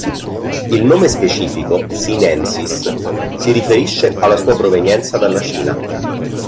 Il nome specifico, "sinensis", si riferisce alla sua provenienza dalla Cina.